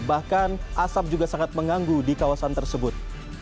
bahkan asap juga sangat mengganggu di kawasan tersebut